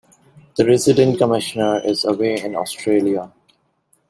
The Resident Commissioner is away in Australia.